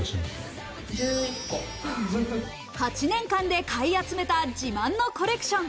８年間で買い集めた自慢のコレクション。